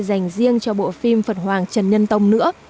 dành riêng cho bộ phim phật hoàng trần nhân tông nữa